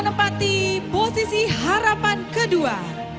menempati posisi harapan kedua